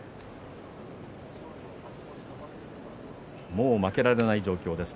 もう負けられない状況です